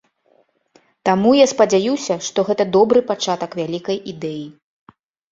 Таму я спадзяюся, што гэта добры пачатак вялікай ідэі.